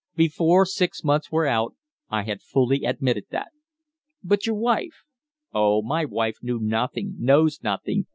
Before six months were out I had fully admitted that." "But your wife?" "Oh, my wife knew nothing knows nothing.